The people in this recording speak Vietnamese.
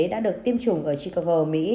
đã được tiêm chủng ở chicago mỹ